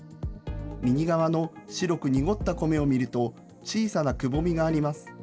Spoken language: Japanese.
右側の白く濁ったコメを見ると、小さなくぼみがあります。